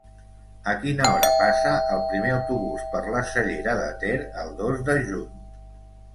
A quina hora passa el primer autobús per la Cellera de Ter el dos de juny?